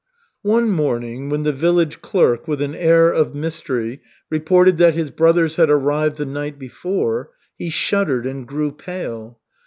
One morning when the village clerk with an air of mystery reported that his brothers had arrived the night before, he shuddered and grew pale.